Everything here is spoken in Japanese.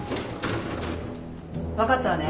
分かったわね。